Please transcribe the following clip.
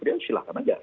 ya silahkan saja